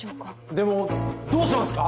でもどうしますか？